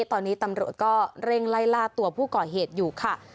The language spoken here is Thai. ตอนนี้ตำรวจก็เร่งไล่ล่าตัวผู้ก่อเหตุอยู่ค่ะ